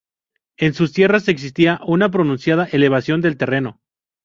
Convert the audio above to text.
En sus tierras existía una pronunciada elevación del terreno.